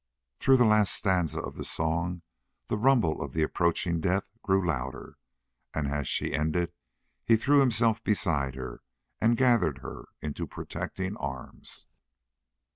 Through the last stanza of the song the rumble of the approaching death grew louder, and as she ended he threw himself beside her and gathered her into protecting arms.